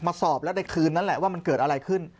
สอบแล้วในคืนนั้นแหละว่ามันเกิดอะไรขึ้น